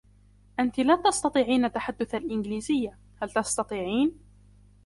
أنتِ لا تستطيعين تحدث الإنجليزية, هل تستطيعين؟